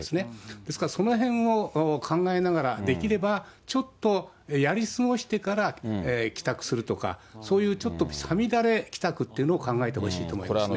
ですからそのへんを考えながら、できればちょっとやり過ごしてから帰宅するとか、そういうちょっと五月雨帰宅というのを考えてほしいと思いますね。